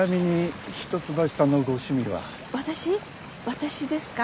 私ですか。